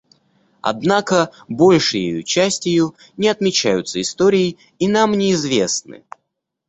Однако, большею частию, не отмечаются историей и нам неизвестны.